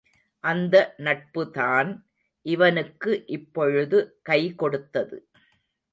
அந்த நட்புதான் இவனுக்கு இப்பொழுது கைகொடுத்தது.